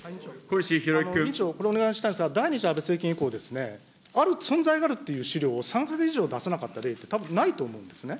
委員長、これ、お願いしたいんですが、第２次安倍政権以降、存在があるという資料を３か月以上出さなかった例ってたぶんないと思うんですね、